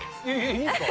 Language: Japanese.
いいんすか？